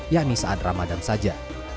yakni saat ramadan saja